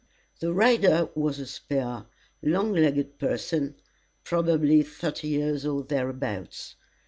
The rider was a spare, long legged person, probably thirty years or thereabouts.